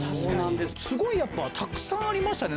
すごいやっぱたくさんありましたね